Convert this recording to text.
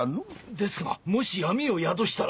ですがもし闇を宿したら！